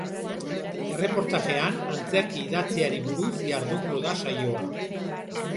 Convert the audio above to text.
Erreportajean, antzerki idatziari buruz jardungo da saioa.